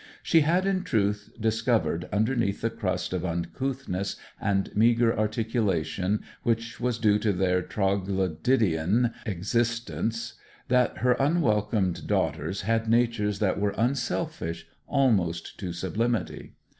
She had, in truth, discovered, underneath the crust of uncouthness and meagre articulation which was due to their Troglodytean existence, that her unwelcomed daughters had natures that were unselfish almost to sublimity.